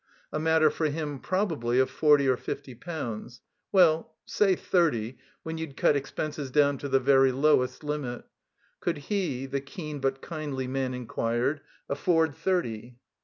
A matter, for him, probably of forty or fifty poimds — ^well, say, thirty, when you'd cut expenses down to the very lowest limit. Could he, the keen but kindly man inquired, afford thirty?